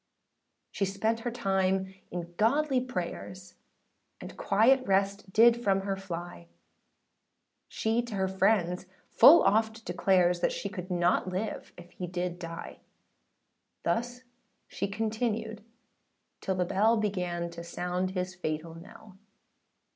â She spent her time in godly prayers, And quiet rest did from her fly; She to her friends full oft declares, She could not live if he did die: Thus she continued till the bell, Began to sound his fatal knell.